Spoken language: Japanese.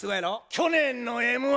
去年の「Ｍ−１」